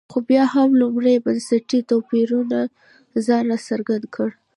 خو بیا هم لومړني بنسټي توپیرونو ځان راڅرګند کړ.